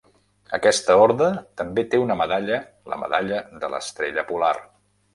Aquesta orde també té una medalla, "la medalla de l'estrella polar".